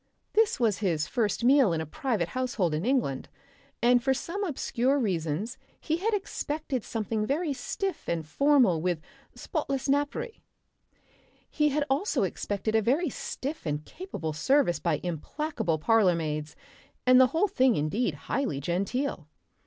This was his first meal in a private household in England, and for obscure reasons he had expected something very stiff and formal with "spotless napery." He had also expected a very stiff and capable service by implacable parlourmaids, and the whole thing indeed highly genteel.